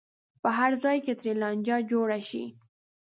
په هر ځای کې ترې لانجه جوړه شي.